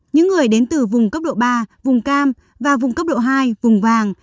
những người đến từ vùng cấp độ ba vùng cam và vùng cấp độ hai vùng vàng